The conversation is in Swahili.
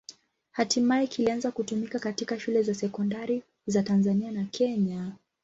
Hatimaye kilianza kutumika katika shule za sekondari za Tanzania na Kenya.